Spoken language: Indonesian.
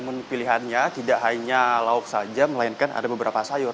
namun pilihannya tidak hanya lauk saja melainkan ada beberapa sayur